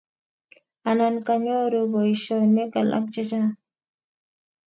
Anan kanyoru boisionik alak chechang'